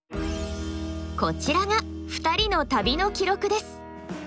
こちらが２人の旅の記録です。